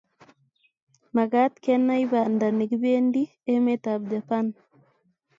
Magaat kenai Banda negipendi emetab Japan